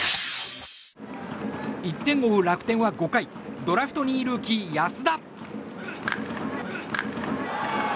１点を追う楽天は５回ドラフト２位ルーキー安田。